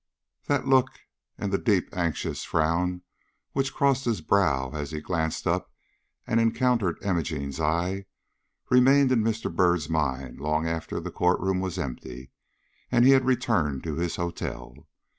That look and the deep, anxious frown which crossed his brow as he glanced up and encountered Imogene's eye, remained in Mr. Byrd's mind long after the court room was empty and he had returned to his hotel.